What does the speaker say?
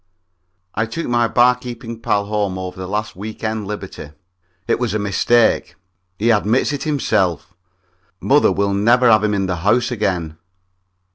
_ I took my bar keeping pal home over the last week end liberty. It was a mistake. He admits it himself. Mother will never have him in the house again.